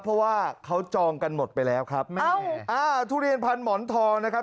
เพราะว่าเขาจองกันหมดไปแล้วครับแม่อ่าทุเรียนพันหมอนทองนะครับ